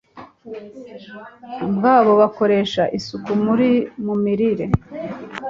bwabo bakoresha isuku mu mirire,